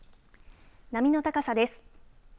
波の高さです。